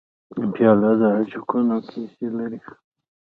پیاله د عشقونو کیسې لري.